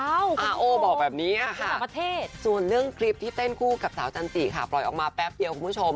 อาโอบอกแบบนี้ค่ะส่วนเรื่องคลิปที่เต้นคู่กับสาวจันจิค่ะปล่อยออกมาแป๊บเดียวคุณผู้ชม